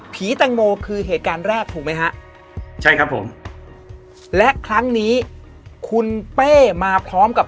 แตงโมคือเหตุการณ์แรกถูกไหมฮะใช่ครับผมและครั้งนี้คุณเป้มาพร้อมกับ